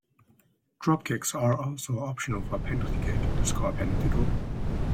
Drop kicks are also optional for a penalty kick to score a penalty goal.